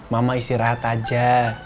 mama istirahat aja